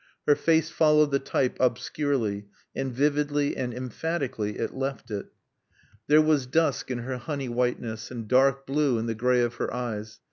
Her face followed the type obscurely; and vividly and emphatically it left it. There was dusk in her honey whiteness, and dark blue in the gray of her eyes.